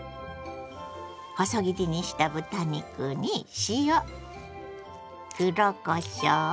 細切りにした豚肉に塩黒こしょう。